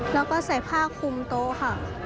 แล้วก็ใส่ผ้าคุมโต๊ะค่ะ